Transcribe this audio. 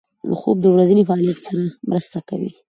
خوب د ورځني فعالیت سره مرسته کوي